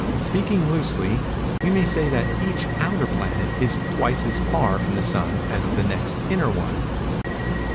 Speaking loosely, we may say that each outer planet is twice as far from the Sun as is the next inner one.